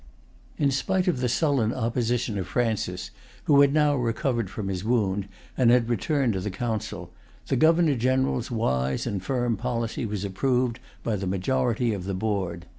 In spite of the sullen opposition of Francis, who had now recovered from his wound, and had returned to the Council, the Governor General's wise and firm policy was approved by the majority of the board.